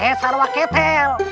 ini sarawak ketel